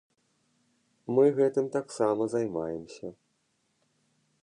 Мы гэтым таксама займаемся.